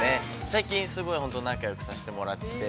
最近すごい本当、仲よくさせてもらってて。